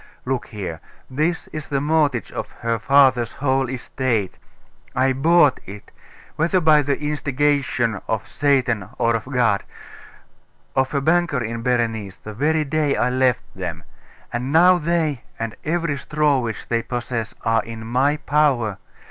Look here! This is the mortgage of her father's whole estate. I bought it whether by the instigation of Satan or of God of a banker in Berenice, the very day I left them; and now they, and every straw which they possess, are in my power.